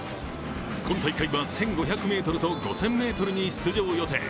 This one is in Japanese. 今大会は１５００ｍと５０００ｍに出場予定。